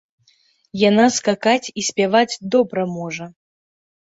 Яна скакаць і спяваць добра можа.